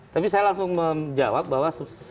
tapi saya langsung menjawab bahwa